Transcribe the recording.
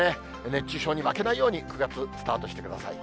熱中症に負けないように９月スタートしてください。